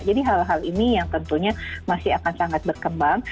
jadi hal hal ini yang tentunya masih akan sangat berkembang